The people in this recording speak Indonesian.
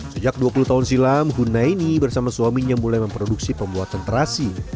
sejak dua puluh tahun silam hunaini bersama suaminya mulai memproduksi pembuatan terasi